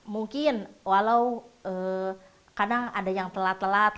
mungkin walau kadang ada yang telat telat